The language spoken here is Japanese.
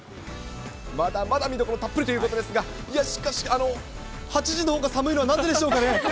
まだまだ見どころたっぷりということですが、いや、しかし、８時のほうが寒いのはなぜでしょうかね。